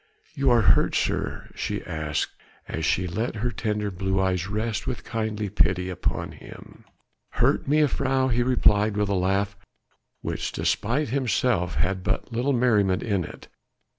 "You are hurt, sir," she asked as she let her tender blue eyes rest with kind pity upon him. "Hurt, mejuffrouw?" he replied with a laugh, which despite himself had but little merriment in it.